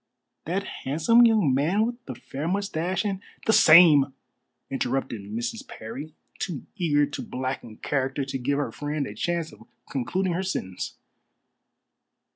"That handsome young man with the fair moustache and " "The same," interrupted Mrs. Parry, too eager to blacken character to give her friend a chance of concluding her sentence.